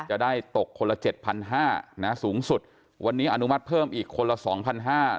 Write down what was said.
จะได้ตกคนละเจ็ดพันห้านะสูงสุดวันนี้อนุมัติเพิ่มอีกคนละสองพันห้า